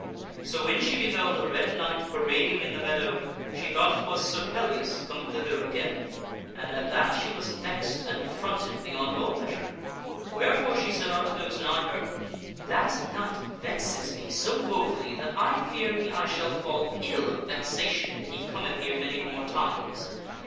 So when she beheld a red knight parading in the meadow, she thought it was Sir Pellias come thither again, and at that she was vexed and affronted beyond all measure. Wherefore she said unto those nigh her, " That knight vexes me so wofully that I fear me I shall fall ill of vexation if he cometh here many more times.